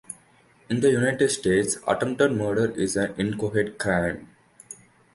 In the United States, attempted murder is an inchoate crime.